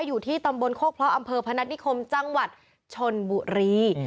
อยู่ที่ตำบลโคกเพราะอำเภอพนัฐนิคมจังหวัดชนบุรี